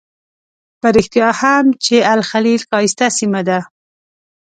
په رښتیا هم چې الخلیل ښایسته سیمه ده.